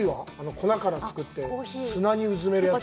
粉から作って砂に埋めるやつ。